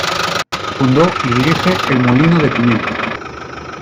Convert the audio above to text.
Fundó y dirige "El molino de pimienta".